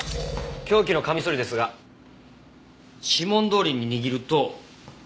凶器のカミソリですが指紋どおりに握ると切りづらいですよね。